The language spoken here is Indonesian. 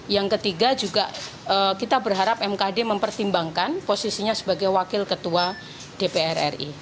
yang ketiga juga kita berharap mkd mempertimbangkan posisinya sebagai wakil ketua dpr ri